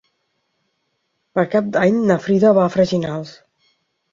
Per Cap d'Any na Frida va a Freginals.